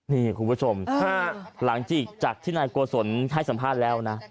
นี่คุณผู้ชมถ้าหลังจากที่นายโกศลให้สัมภาษณ์แล้วนะ